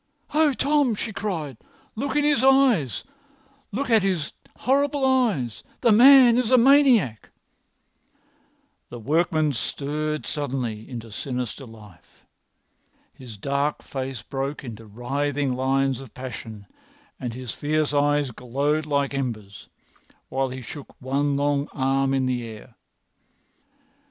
"Oh, Tom!" she cried. "Look at his eyes—look at his horrible eyes! The man is a maniac." The workman stirred suddenly into sinister life. His dark face broke into writhing lines of passion, and his fierce eyes glowed like embers, while he shook one long arm in the air.